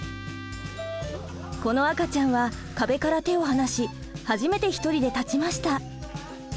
この赤ちゃんは壁から手を離し初めて一人で立ちました。